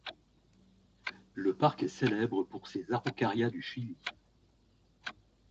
Le parc est célèbre pour ses Araucaria du Chili.